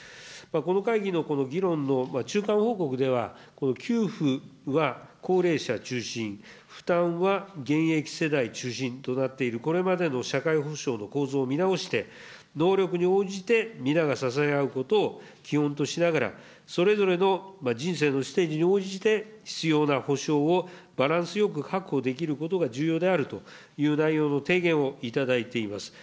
この会議の議論の中間報告では、この給付は高齢者中心、負担は現役世代中心となっている、これまでの社会保障の構造を見直して、能力に応じて皆が支え合うことを基本としながら、それぞれの人生のステージに応じて、必要な保障をバランスよく確保できることが重要であるという内容の提言を頂いています。